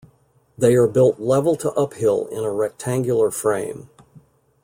They are built level to uphill in a rectangular frame.